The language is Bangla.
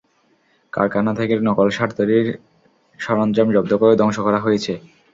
কারখানা থেকে নকল সার তৈরির সরঞ্জাম জব্দ করে ধ্বংস করা হয়েছে।